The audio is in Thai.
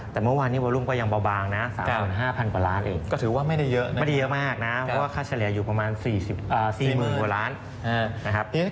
แต่เมื่อวานนี้วอลลุมก็ยังเบาบางนะ๓๕๐๐ล้านกว่าล้านเอง